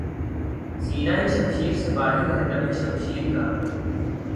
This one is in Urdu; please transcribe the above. سینہٴ شمشیر سے باہر ہے دم شمشیر کا